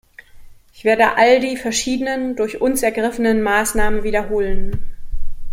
Ich werde all die verschiedenen, durch uns ergriffenen Maßnahmen wiederholen.